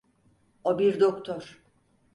O bir doktor.